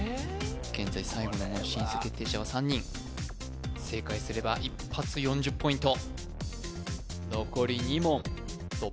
現在最後の門進出決定者は３人正解すれば１発４０ポイント